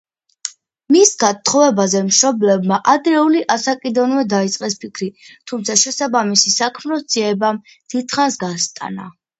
მის გათხოვებაზე მშობლებმა ადრეული ასაკიდანვე დაიწყეს ფიქრი, თუმცა შესაბამისი საქმროს ძიებამ დიდხანს გასტანა.